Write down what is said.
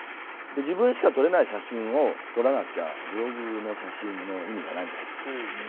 自分しか撮れない写真を撮らなきゃブログの写真の意味がないんじゃないかと。